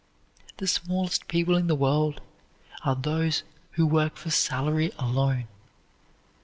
The smallest people in the world are those who work for salary alone.